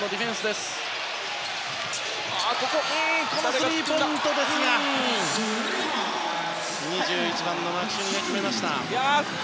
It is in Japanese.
スリーポイントを２１番のマクシュニが決めました。